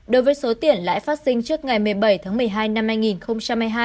đối với số tiền lãi phát sinh trước ngày một mươi bảy tháng một mươi hai năm hai nghìn hai mươi hai